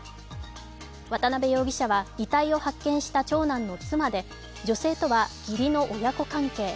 渡辺容疑者は遺体を発見した長男の妻で、女性とは義理の親子関係。